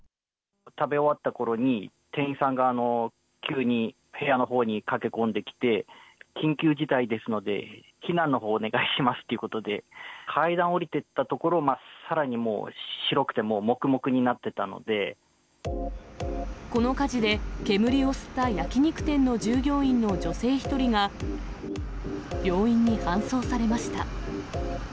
食べ終わったころに、店員さんが、急に部屋のほうに駆け込んできて、緊急事態ですので、避難のほうをお願いしますっていうことで、階段下りてったところ、さらにもう白くてもうもくもくになってたこの火事で、煙を吸った焼き肉店の従業員の女性１人が、病院に搬送されました。